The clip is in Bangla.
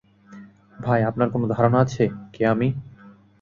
ভাই, আপনার কোনও ধারণা আছে কে আমি?